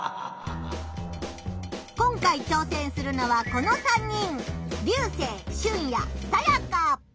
今回ちょうせんするのはこの３人。